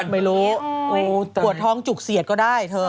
ไม่รู้ปวดท้องจุกเสียดก็ได้เธอ